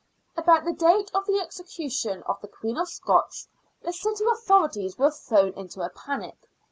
About the date of the execution of the Queen of Scots the city authorities were thrown into a panic.